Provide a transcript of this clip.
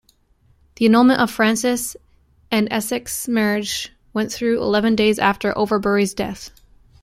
The annulment of Frances and Essex's marriage went through eleven days after Overbury's death.